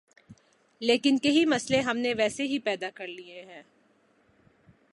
ہی لیکن کئی مسئلے ہم نے ویسے ہی پیدا کر لئے ہیں۔